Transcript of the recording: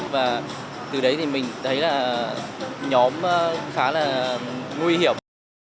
và từ đấy thì mình thấy là nhóm khá là nguy hiểm